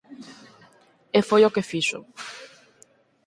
E foi o que fixo.